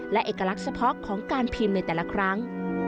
และเอกลักษณ์เฉพาะของการพิมพ์ในแต่ละครั้ง